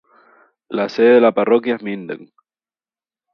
La sede de la parroquia es Minden.